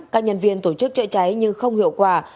các nhân viên tổ chức chữa cháy nhưng không hiệu quả